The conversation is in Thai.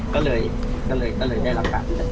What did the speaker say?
ก็เลยได้รักษาที่สุด